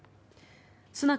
スナク